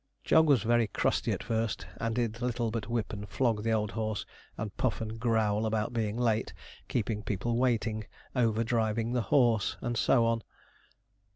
Jog was very crusty at first, and did little but whip and flog the old horse, and puff and growl about being late, keeping people waiting, over driving the horse, and so on.